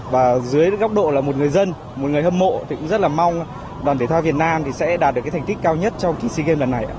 và dưới góc độ là một người dân một người hâm mộ thì cũng rất là mong đoàn thể thao việt nam sẽ đạt được cái thành tích cao nhất trong kỳ sea games lần này